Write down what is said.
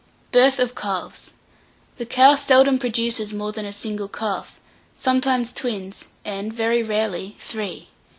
BIRTH OF CALVES. The cow seldom produces more than a single calf; sometimes, twins, and, very rarely, three.